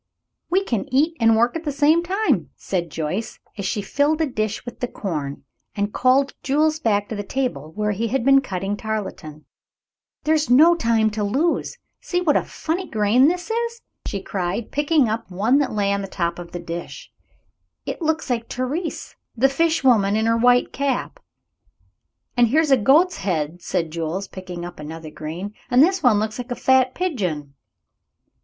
"We can eat and work at the same time," said Joyce, as she filled a dish with the corn, and called Jules back to the table, where he had been cutting tarletan. "There's no time to lose. See what a funny grain this is!" she cried, picking up one that lay on the top of the dish. "It looks like Therese, the fish woman, in her white cap." "And here is a goat's head," said Jules, picking up another grain. "And this one looks like a fat pigeon."